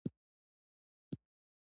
هغه د بې سوادۍ ستونزه جدي بلله.